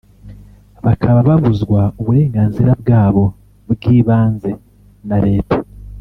bakaba babuzwa uburenganzira bwabo bw’ibanze na Leta